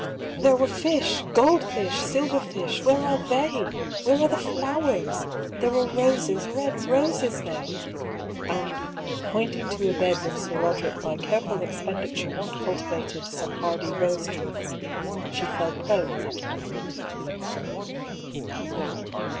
" There were fish — gold fish, silver fish — where are theyf Where are the flowers f There were roses, red roses there," and, pointing to a bed where Sir Roderick by careful expenditure had cultivated some hardy rose trees, she fell prone at my feet.